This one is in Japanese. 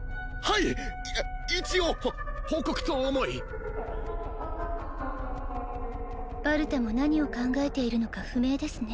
い一応ほ報告と思いバルタも何を考えているのか不明ですね